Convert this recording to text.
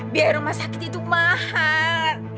biar rumah sakit itu mahal